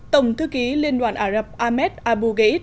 tổng thư ký liên đoàn ả rập ahmed abu ghe